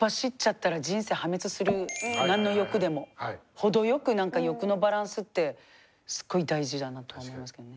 ほどよくなんか欲のバランスってすごい大事だなと思いましたけどね。